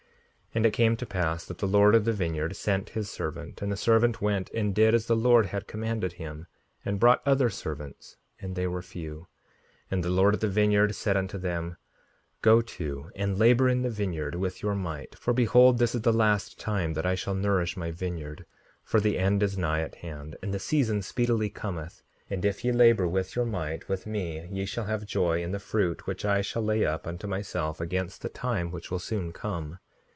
5:70 And it came to pass that the Lord of the vineyard sent his servant; and the servant went and did as the Lord had commanded him, and brought other servants; and they were few. 5:71 And the Lord of the vineyard said unto them: Go to, and labor in the vineyard, with your might. For behold, this is the last time that I shall nourish my vineyard; for the end is nigh at hand, and the season speedily cometh; and if ye labor with your might with me ye shall have joy in the fruit which I shall lay up unto myself against the time which will soon come.